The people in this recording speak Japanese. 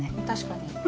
確かに。